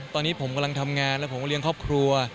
ตอนนี้ผมกำลังทำงานแล้วผมก็เลี้ยงครอบครัว